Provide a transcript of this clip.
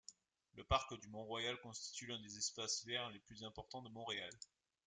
Le parc du Mont-Royal constitue l'un des espaces verts les plus importants de Montréal.